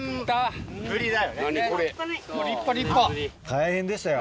大変でしたよ。